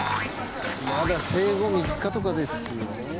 まだ生後３日とかですよね。